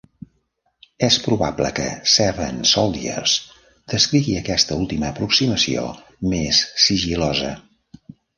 És probable que "Seven Soldiers" descrigui aquesta última aproximació més sigil·losa.